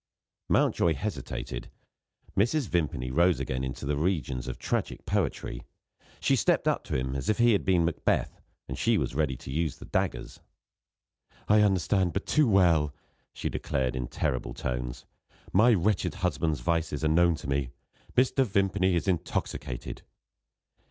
Mountjoy hesitated. Mrs. Vimpany rose again into the regions of tragic poetry. She stepped up to him, as if he had been Macbeth, and she was ready to use the daggers. "I understand but too well," she declared in terrible tones. "My wretched husband's vices are known to me. Mr. Vimpany is intoxicated."